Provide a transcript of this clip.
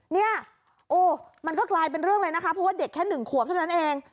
เนี่ยโอ้มันก็กลายเป็นเรื่องเลยนะคะเพราะว่าเด็กแค่๑ขวบเท่านั้นเอง